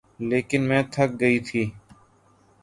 لیکن میں تھک گئی تھی